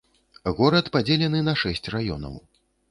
Горад падзелены на шэсць раёнаў.